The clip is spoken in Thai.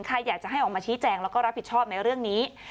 ใครอยากจะให้ออกมาชี้แจงแล้วก็รับผิดชอบในเรื่องนี้